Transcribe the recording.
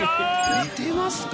似てますか？